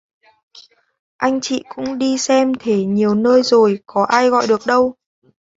Anh chị cũng đi xem thể nhiều nơi rồi có ai gọi được đâu